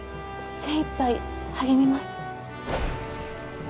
精いっぱい励みます。